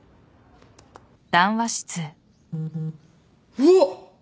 うわっ！